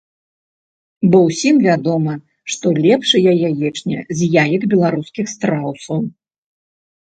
Бо ўсім вядома, што лепшая яечня з яек беларускіх страусаў.